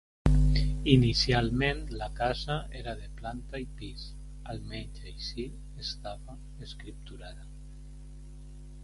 Inicialment la casa era de planta i pis, almenys així estava escripturada.